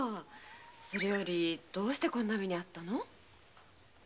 それよりどうしてこんな目に遭ったの？